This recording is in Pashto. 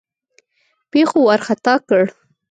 پیښو وارخطا کړ.